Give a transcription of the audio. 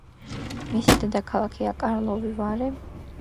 მისი დედაქალაქია კარლოვი-ვარი.